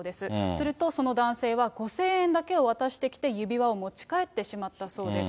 するとその男性は５０００円だけを渡してきて指輪を持ち帰ってしまったそうです。